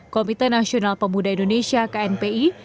komite nasional pemuda indonesia knpi